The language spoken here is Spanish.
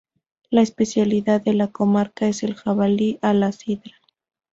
La especialidad de la comarca es el jabalí a la sidra.